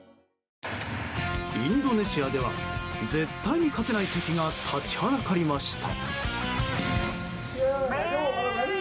インドネシアでは絶対に勝てない敵が立ちはだかりました。